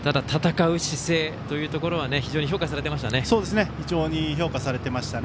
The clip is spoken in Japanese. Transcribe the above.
戦う姿勢というところは非常に評価されていましたね。